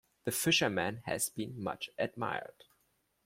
The "Fishermen" has been much admired.